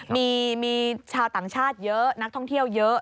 มีชาวต่างชาติเยอะนักท่องเที่ยวเยอะ